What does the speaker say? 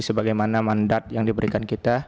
sebagaimana mandat yang diberikan kita